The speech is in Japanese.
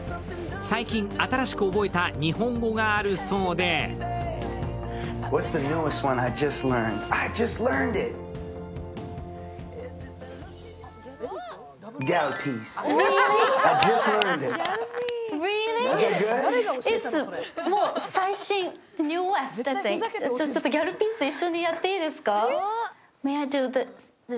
最近新しく覚えた日本語があるそうでちょっとギャルピース、一緒にやっていいですか？